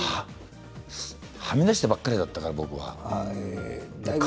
はみ出してばかりだったから僕は。